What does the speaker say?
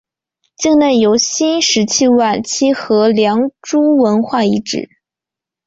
境内有新石器晚期和良渚文化遗址。